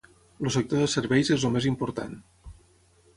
El sector de serveis és el més important.